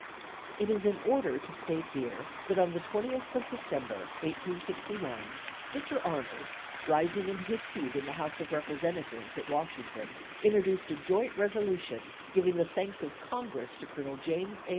It is in order to state here that on the 20th of December, 1861, Mr. Arnold, rising in his seat in the House of Representatives, at Washington, introduced a joint resolution giving the thanks of Congress to Colonel James A.